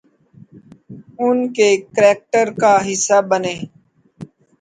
ان کے کریکٹر کا حصہ بنیں۔